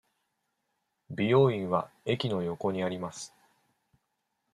美容院は駅の横にあります。